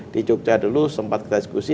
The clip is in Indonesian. di jogja dulu sempat kereskusi